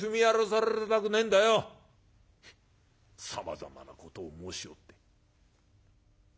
さまざまなことを申しおって。